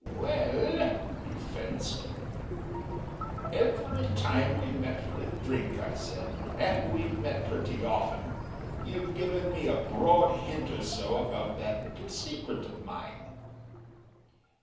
"Well," he fenced. "Every time we've met for a week," I said, "and we've met pretty often you've given me a broad hint or so about that little secret of mine."